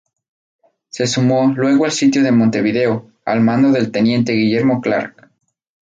Se sumó luego al sitio de Montevideo al mando del teniente Guillermo Clark.